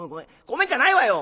「ごめんじゃないわよ！